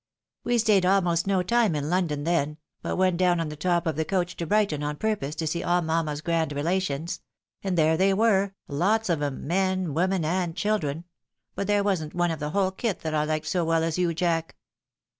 "We staid almost no time in London then, but went down on the top of the coach to Brighton on purpose to see all mamma's grand relations ; and there they were, lots of 'em, men, women, and children ; but there wasn't one of the whole kit that I liked so well as you. Jack."